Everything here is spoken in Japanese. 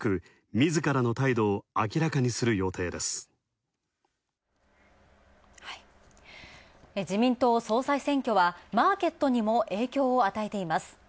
自民党総裁選は、マーケットにも影響を与えています。